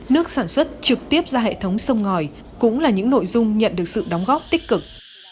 nước sản xuất trực tiếp ra hệ thống sông ngòi cũng là những nội dung nhận được sự đóng góp tích cực